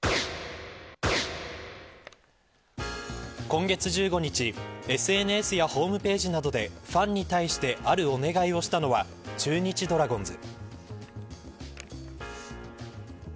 今月１５日ＳＮＳやホームページなどでファンに対してあるお願いをしたのは中日ドラゴンズ。